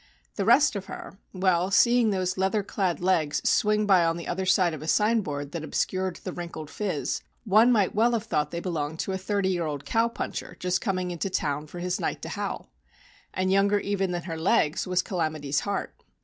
The rest of her well, seeing those leather clad legs swing by on the other side of a signboard that obscured the wrinkled phiz, one might well have thought they belonged to a thirty year old cow puncher just coming into town for his night to howl. And younger even than her legs was "Calamity's" heart.